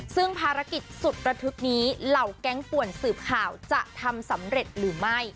ซึ่งภารกิจสุดระทึกนี้เหล่าแก๊งป่วนสืบข่าวจะทำสำเร็จหรือไม่